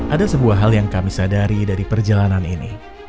ada sebuah hal yang kami sadari dari perjalanan ini